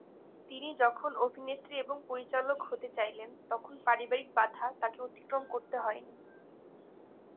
তিনি যখন অভিনেত্রী এবং পরিচালক হতে চাইলেন তখন পারিবারিক বাধা তাকে অতিক্রম করতে হয়নি।